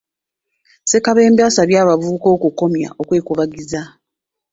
Ssekabembe asabye abavubuka okukomya okwekubagiza,